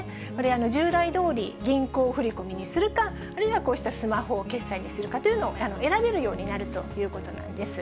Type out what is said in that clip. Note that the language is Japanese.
従来どおり、銀行振り込みにするか、あるいはこうしたスマホ決済にするかというのを選べるようになるということなんです。